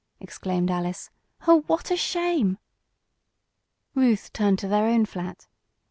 exclaimed Alice. "Oh, what a shame." Ruth turned to their own flat.